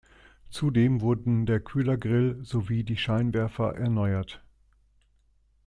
Zudem wurden der Kühlergrill sowie die Scheinwerfer erneuert.